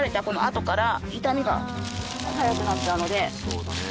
そうだね。